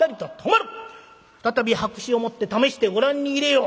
再び白紙をもって試してご覧に入れよう。